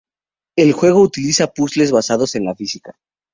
El juego utiliza puzzles basados en la física.